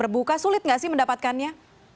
terbuka sulit nggak sih mendapatkannya